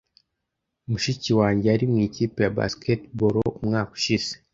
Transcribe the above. Mushiki wanjye yari mu ikipe ya basketball umwaka ushize.